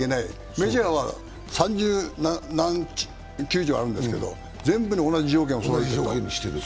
メジャーは三十何球場あるんですけど全部に同じ条件をそろえている。